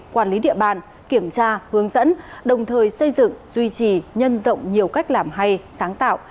quản lý địa bàn kiểm tra hướng dẫn đồng thời xây dựng duy trì nhân rộng nhiều cách làm hay sáng tạo